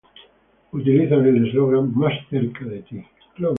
Utiliza el eslogan "Más cerca de ti".